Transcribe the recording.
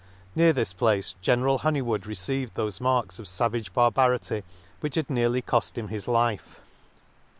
Near this place General Honeywood re ceived thofe marks of favage barbarity which had nearly cofl him his life.